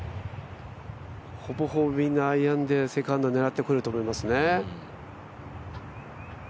ほぼほぼみんなアイアンでセカンド狙ってくると思いますね。